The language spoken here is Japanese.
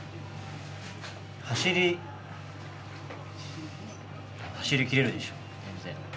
走り、走りきれるでしょう、全然。